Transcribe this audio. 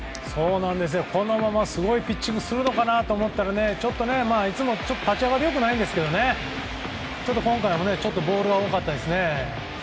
このまますごいピッチングをするかなと思ったらいつも立ち上がりは良くないんですけど今回もボールが多かったですね。